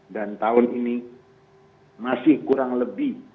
dan tahun ini masih kurang lebih